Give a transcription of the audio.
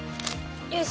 よし！